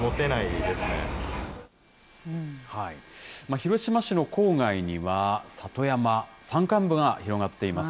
広島市の郊外には、里山、山間部が広がっています。